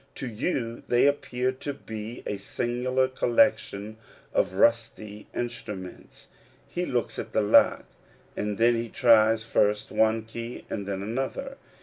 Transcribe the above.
To you they appear to be a singular collection of fusty instru ments. He looks at the lock, and then he tries first one key and then another.